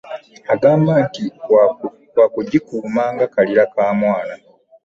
Agamba nti waakugikuuma nga kalira ka mwana.